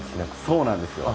そうなんですよ。